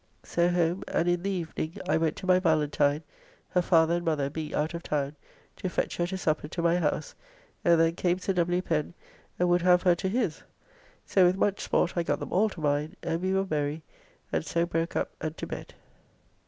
So home, and in the evening I went to my Valentine, her father and mother being out of town, to fetch her to supper to my house, and then came Sir W. Pen and would have her to his, so with much sport I got them all to mine, and we were merry, and so broke up and to bed.